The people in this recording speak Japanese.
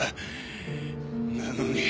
なのに。